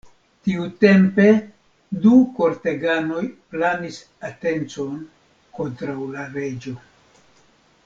Tiutempe du korteganoj planis atencon kontraŭ la reĝo.